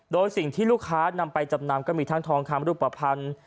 โดยสิ่งที่ลูกค้านำไปจำนำก็มีทั้งทองคำรูปภัณฑ์